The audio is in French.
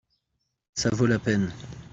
ça vaut la peine.